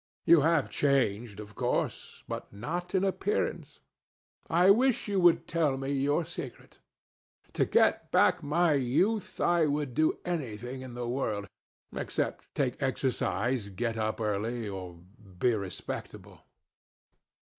You have changed, of course, but not in appearance. I wish you would tell me your secret. To get back my youth I would do anything in the world, except take exercise, get up early, or be respectable.